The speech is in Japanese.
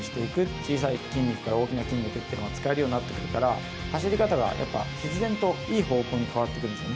小さい筋肉、大きい筋肉が使えるようになってくるから、走り方がやっぱ、必然といい方向に変わってくるんですね。